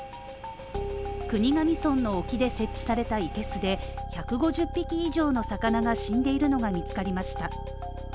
国頭村の沖で設置されたいけすで１５０匹以上の魚が死んでいるのが見つかりました。